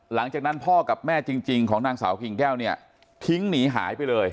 หลังจากนั้นพ่อกับแม่จริงของนางสาวกิ่งแก้วเนี่ยทิ้งหนีหายไปเลย